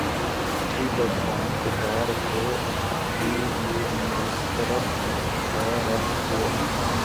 ابھی بادبان کو تہ رکھو ابھی مضطرب ہے رخ ہوا